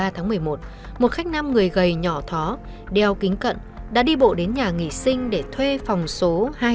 hai mươi tháng một mươi một một khách nam người gầy nhỏ thó đeo kính cận đã đi bộ đến nhà nghỉ sinh để thuê phòng số hai trăm linh